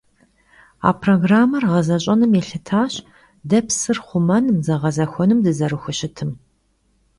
A programmer ğezeş'enır yêlhıtaş de psır xhumenım, zeğezexuenım dızerıxuşıtım.